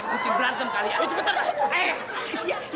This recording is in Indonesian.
bu cint berantem kali ya